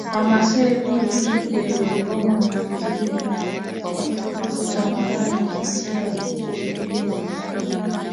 Wamasai hunywa supu yenye gome na mizizi inayopunguza mafuta moyoni Wamasai wanaoishi mijini ambao